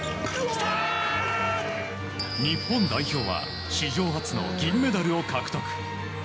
日本代表は史上初の銀メダルを獲得。